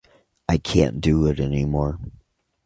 I can't do it anymore.